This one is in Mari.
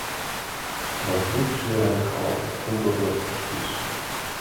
Да трук шӱдыран кавам тулгорно пӱчкеш.